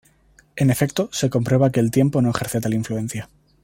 En efecto, se comprueba que el tiempo no ejerce tal influencia".